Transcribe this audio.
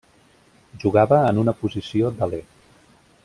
Jugava en una posició d'aler.